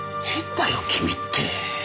変だよ君って。